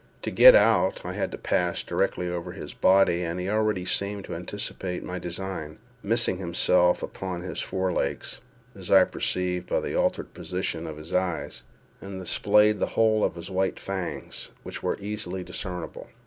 To get out, I had to pass directly over his body, and he already seemed to anticipate my design—missing himself upon his fore legs (as I perceived by the altered position of his eyes), and displayed the whole of his white fangs, which were easily discernible.